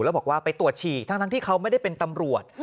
แล้วบอกว่าไปตรวจฉี่ทั้งที่เขาไม่ได้เป็นตำรวจ